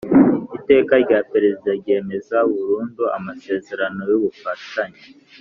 Iteka rya Perezida ryemeza burundu amasezerano y’ubufatanye